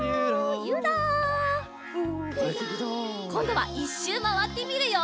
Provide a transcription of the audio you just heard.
こんどはいっしゅうまわってみるよ。